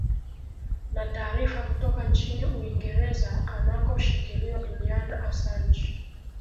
na taarifa kutoka nchini uingereza anakoshikiliwa juliana asanch